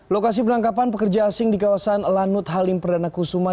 lokasi penangkapan pekerja asing di kawasan lanut halim perdana kusuma